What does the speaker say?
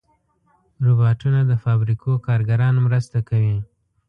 روبوټونه د فابریکو کارګران مرسته کوي.